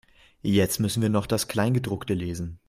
Jetzt müssen wir noch das Kleingedruckte lesen.